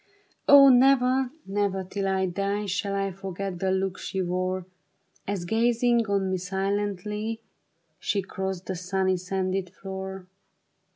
O never, never till I die Shall I forget the look she wore. As gazing on me silently She crossed the sunny, sanded floor.